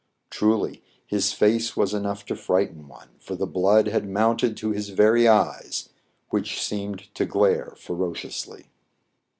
Truly, his face was enough to frighten one ; for the blood had mounted to his very eyes, which seemed to glare ferociously.